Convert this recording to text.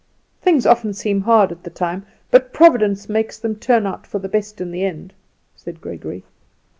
"Things often seem hard at the time, but Providence makes them turn out for the best in the end," said Gregory.